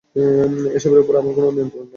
এসবের ওপর আমার কোনোই নিয়ন্ত্রণ নেই।